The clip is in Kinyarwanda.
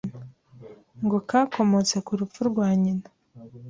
ngo kakomotse ku rupfu rwa nyina